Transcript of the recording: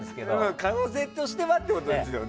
可能性としてはということですよね。